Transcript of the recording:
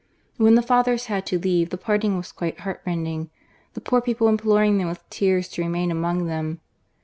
When the Fathers had to leave, the parting was quite heart rending, the poor people imploring them with tears to remain among them.